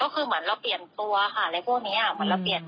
คือเหมือนเราเปลี่ยนตัวค่ะเราก็ไม่ใช้อันเดิมอะไรอย่างนี้